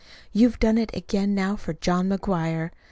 You've done it again now for John McGuire.